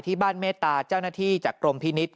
บ้านเมตตาเจ้าหน้าที่จากกรมพินิษฐ